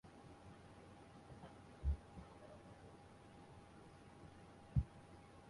তাই যদি তাঁর উপস্থিতিতে নাযিল হয়ে থাকে তাহলে এর মাদানী হওয়া উচিত।